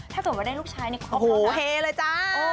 ถ้าเปิดมาได้ลูกชายในครอบครัวนะ